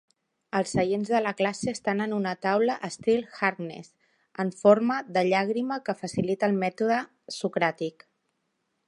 Els seients de la classe estan en una taula estil Harkness, en forma de llàgrima que facilita el mètode socràtic.